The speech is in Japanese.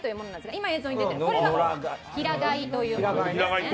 今映像に出ているのは平飼いというものです。